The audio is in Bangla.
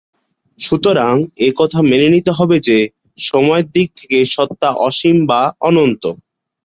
সুতরাং একথা মেনে নিতে হবে যে, সময়ের দিক থেকে সত্তা অসীম বা অনন্ত।